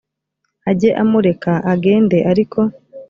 ajye amureka agende ariko